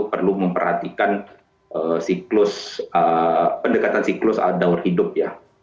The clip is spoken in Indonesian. perlu memperhatikan siklus pendekatan siklus daur hidup ya